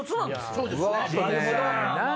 そうですね。